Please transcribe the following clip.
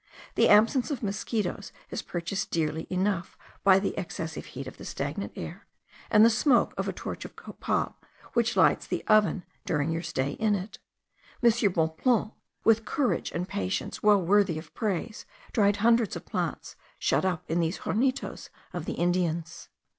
The absence of the mosquitos is purchased dearly enough by the excessive heat of the stagnated air, and the smoke of a torch of copal, which lights the oven during your stay in it. M. Bonpland, with courage and patience well worthy of praise, dried hundreds of plants, shut up in these hornitos of the Indians.